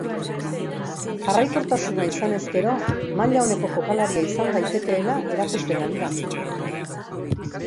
Jarraikortasuna izanez gero maila oneko jokalaria izan daitekeela erakusten ari da.